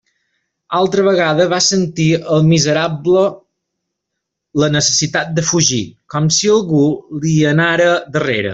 Altra vegada va sentir el miserable la necessitat de fugir, com si algú li anara darrere.